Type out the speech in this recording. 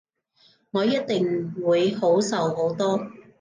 我一定會好受好多